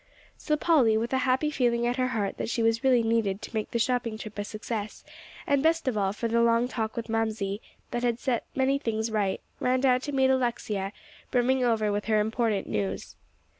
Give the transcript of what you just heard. So Polly, with a happy feeling at her heart that she was really needed to make the shopping trip a success, and best of all for the long talk with Mamsie, that had set many things right, ran down to meet Alexia, brimming over with her important news.